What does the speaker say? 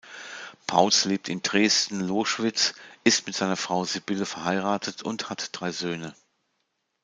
Pauls lebt in Dresden-Loschwitz, ist mit seiner Frau Sibylle verheiratet und hat drei Söhne.